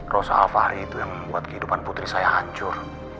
rosa alfahri itu yang membuat kehidupan putri saya hancur